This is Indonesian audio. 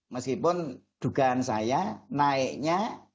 meskipun dugaan saya naiknya